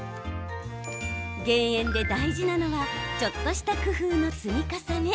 減塩で大事なのはちょっとした工夫の積み重ね。